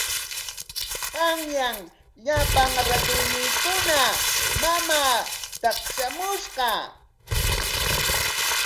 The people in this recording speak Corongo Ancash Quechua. Qanyan llapan ratayniikuna mamaa taqshamushqa.